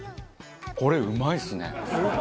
これうまいですね。